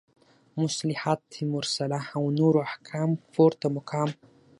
مصلحت مرسله او نورو احکامو پورته مقام